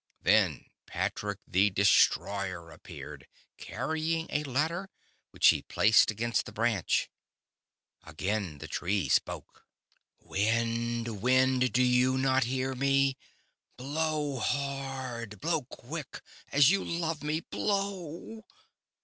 Then Patrick, the destroyer, appeared, carrying a ladder, which he placed against the branch. Again the Tree spoke : 1 82 The Statue and the Birds. "Wind, Wind, do you not hear me? Blow hard, blow quick, as you love me, blow!''